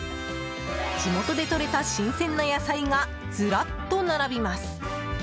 地元で採れた新鮮な野菜がずらっと並びます。